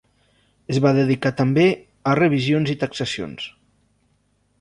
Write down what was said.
Es va dedicar també a revisions i taxacions.